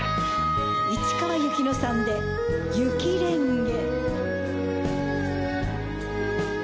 市川由紀乃さんで『雪恋華』。